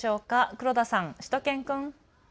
黒田さん、しゅと犬くん。